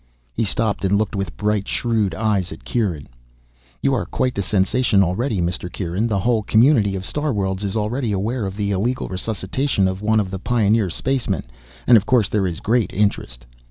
He stopped and looked with bright, shrewd eyes at Kieran. "You are quite the sensation already, Mr. Kieran. The whole community of starworlds is already aware of the illegal resuscitation of one of the pioneer spacemen, and of course there is great interest."